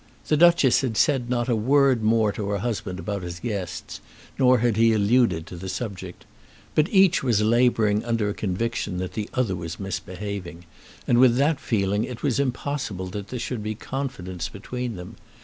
The Duchess had said not a word more to her husband about his guests, nor had he alluded to the subject. But each was labouring under a conviction that the other was misbehaving, and with that feeling it was impossible that there should be confidence between them.